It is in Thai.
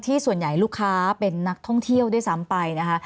ส่วนใหญ่ลูกค้าเป็นนักท่องเที่ยวด้วยซ้ำไปนะคะ